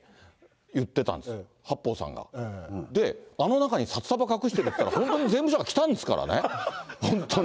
言ってたんですよ、八方さんが、あの中に札束隠してるって言ったら、税務署が来たんですからね、本当に。